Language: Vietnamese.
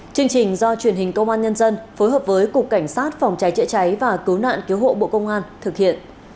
chương trình do truyền hình công an nhân dân phối hợp với cục cảnh sát phòng cháy chữa cháy và cứu nạn cứu hộ bộ công an thực hiện